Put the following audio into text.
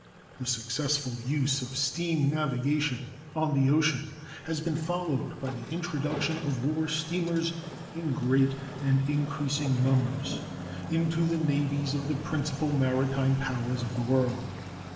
The successful use of steam navigation on the ocean has been followed by the introduction of war steamers in great and increasing numbers into the navies of the principal maritime powers of the world.